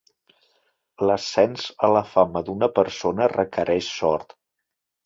L'ascens a la fama d'una persona requereix sort.